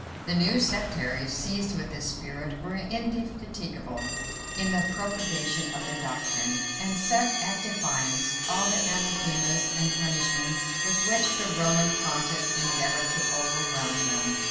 The new sectaries seized with this spirit, were indefatigable in the propagation of their doctrine, and set at defiance all the anathemas and punishments with which the Roman pontiff endeavored to overwhelm them.